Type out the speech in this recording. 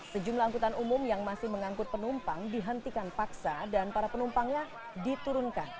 sejumlah angkutan umum yang masih mengangkut penumpang dihentikan paksa dan para penumpangnya diturunkan